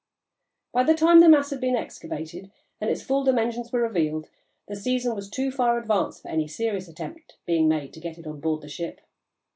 By the time the mass had been excavated and its full dimensions were revealed, the season was too far advanced for any serious attempt being made to get it on board the ship.